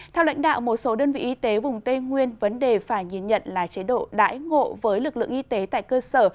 theo lãnh đạo một số đơn vị y tế vùng tây nguyên vấn đề phải nhìn nhận là chế độ đãi ngộ với lực lượng y tế tại cơ sở